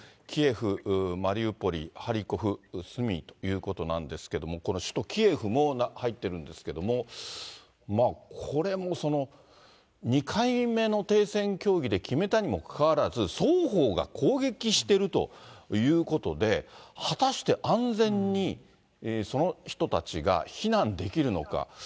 キエフ、マリウポリ、ハリコフ、スミーということなんですけれども、この首都キエフも入ってるんですけれども、まあ、これもその、２回目の停戦協議で決めたにもかかわらず、双方が攻撃してるということで、果たして安全にその人たちが避難できるのか。